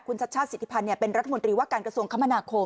ชัชชาติสิทธิพันธ์เป็นรัฐมนตรีว่าการกระทรวงคมนาคม